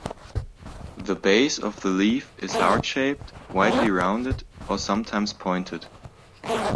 The base of the leaf is heart shaped, widely rounded or sometimes pointed.